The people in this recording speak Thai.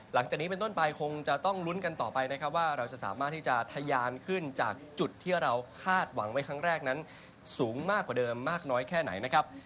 หลังจากนี้เป็นต้นไปคงจะต้องลุ้นกันต่อไปนะครับว่าเราจะสามารถที่จะทะยานขึ้นจากจุดที่เราคาดหวังไว้ครั้งแรกนั้นสูงมากกว่าเดิมมากน้อยแค่ไหนนะครับ